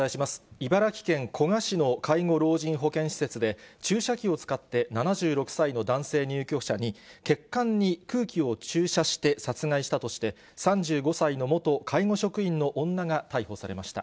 茨城県古河市の介護老人保健施設で、注射器を使って７６歳の男性入居者に血管に空気を注射して殺害したとして、３５歳の元介護職員の女が逮捕されました。